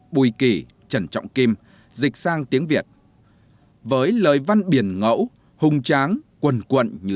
bùi kỳ trần trọng kim dịch sang tiếng việt với lời văn biển ngẫu hung tráng quần quận như